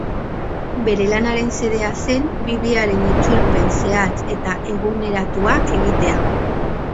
Bere lanaren xedea zen Bibliaren itzulpen zehatz eta eguneratua egitea.